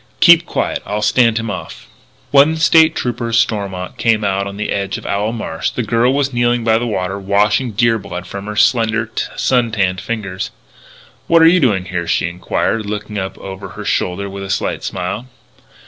Keep quiet. I'll stand him off." IV When State Trooper Stormont came out on the edge of Owl Marsh, the girl was kneeling by the water, washing deer blood from her slender, sun tanned fingers. "What are you doing here?" she enquired, looking up over her shoulder with a slight smile.